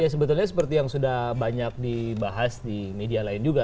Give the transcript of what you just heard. ya sebetulnya seperti yang sudah banyak dibahas di media lain juga